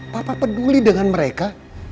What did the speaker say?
papa peduli dengan mereka